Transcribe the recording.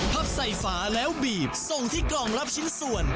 พับใส่ฝาแล้วบีบส่งที่กล่องรับชิ้นส่วน